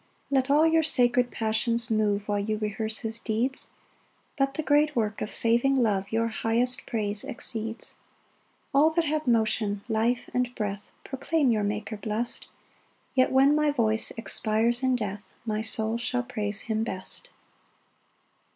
2 Let all your sacred passions move, While you rehearse his deeds; But the great work of saving love Your highest praise exceeds. 3 All that have motion, life, and breath, Proclaim your Maker blest; Yet when my voice expires in death, My soul shall praise him best.